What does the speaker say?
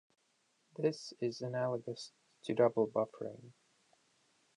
This is analogous to double buffering.